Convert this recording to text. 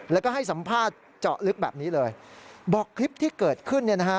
แล้วก็ให้สัมภาษณ์เจาะลึกแบบนี้เลยบอกคลิปที่เกิดขึ้นเนี่ยนะฮะ